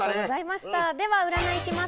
では占いに行きます。